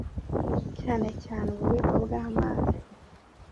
cyane cyane ububiko bw’amazi